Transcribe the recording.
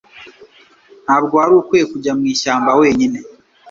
Ntabwo wari ukwiye kujya mwishyamba wenyine